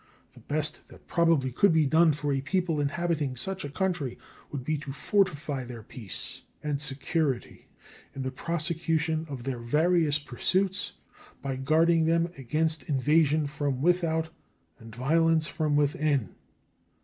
The best that probably could be done for a people inhabiting such a country would be to fortify their peace and security in the prosecution of their various pursuits by guarding them against invasion from without and violence from within.